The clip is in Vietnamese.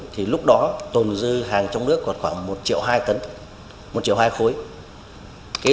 thì lúc đó tồn dư hàng trong nước có khoảng một triệu hai khối